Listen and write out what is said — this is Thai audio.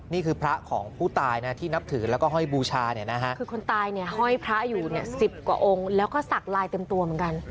นี่คือพระของผู้ตายนะที่นับถือแล้วก็ห้อยบูชาเนี่ยนะฮะคือคนตายเนี่ยห้อยพระอยู่เนี่ย๑๐กว่าองค์แล้วก็สักลายเต็มตัวเหมือนกัน